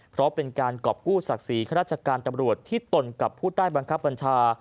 เพราะเป็นการกรอบกู้ศักดิ์ศรีข้าราชการตำรวจที่ตนกับผู้ใต้บังคับบัญชา